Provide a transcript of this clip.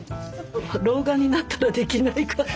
老眼になったらできないから。